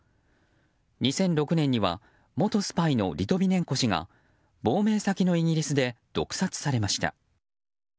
２００６年には元スパイのリトビネンコ氏が亡命先のイギリスで毒殺されました。